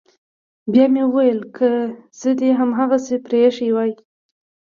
بيا مې وويل که زه دې هماغسې پريښى واى.